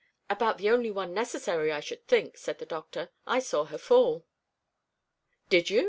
"About the only one necessary, I should think," said the doctor. "I saw her fall." "Did you?"